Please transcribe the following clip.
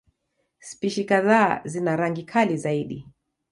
Spishi kadhaa zina rangi kali zaidi.